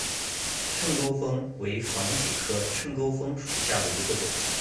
秤钩风为防己科秤钩风属下的一个种。